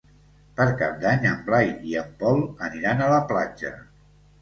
Per Cap d'Any en Blai i en Pol aniran a la platja.